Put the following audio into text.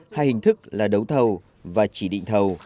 hai hình thức là đấu thầu và chỉ định thầu